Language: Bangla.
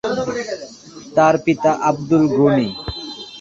তার পিতা আব্দুল গনি।